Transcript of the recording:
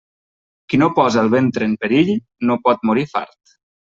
Qui no posa el ventre en perill, no pot morir fart.